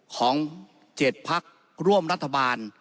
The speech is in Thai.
ของ๗พักร่วมรัฐบาล